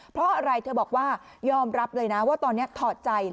เพราะอะไรเธอบอกว่ายอมรับเลยนะว่าตอนนี้ถอดใจ